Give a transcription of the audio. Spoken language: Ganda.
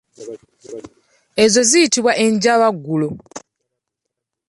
Ezo ziyitibwa enjabaggulo.